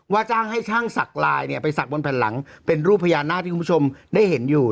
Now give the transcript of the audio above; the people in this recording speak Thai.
ว่าจ้างให้ช่างศักดิ์ลายไปศักดิ์บนแผ่นหลังเป็นรูปพยานหน้าที่คุณผู้ชมได้เห็นอยู่